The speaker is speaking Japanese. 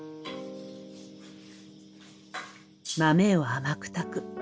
豆を甘く炊く。